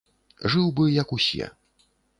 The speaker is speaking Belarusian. Жыў бы як усе.